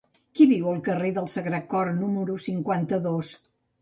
Qui viu al carrer del Sagrat Cor número cinquanta-dos?